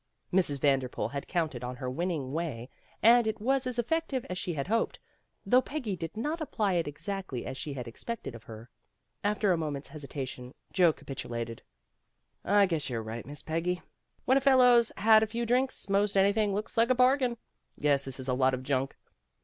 Mrs. Vanderpool had counted on her winning way and it was as effective as she had hoped, though Peggy did not apply it exactly as she had expected of her. After a moment 's hesitation, Joe capitulated. "I guess you're right, Miss Peggy. When a fellow's had a few drinks, most anything looks like a bargain. Guess this is a lot of junk."